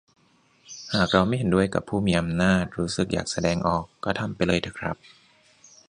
หากเราไม่เห็นด้วยกับผู้มีอำนาจ รู้สึกอยากแสดงออกก็ทำไปเลยเถอะครับ